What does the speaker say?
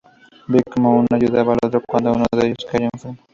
Vi cómo uno ayudaba al otro cuando uno de ellos cayó enfermo.